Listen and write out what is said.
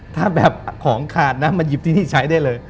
ถ้าแบบของขาดนะมาหยิบที่นี่ใช้ได้เลย